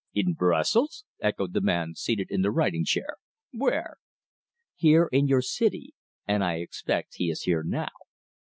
"In Brussels," echoed the man seated in the writing chair. "Where?" "Here, in your city. And I expect he is here now."